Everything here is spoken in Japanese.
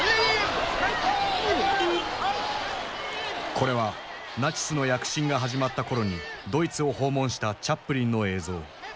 これはナチスの躍進が始まった頃にドイツを訪問したチャップリンの映像。